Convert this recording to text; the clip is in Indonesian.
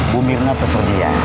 bu mirna bersedia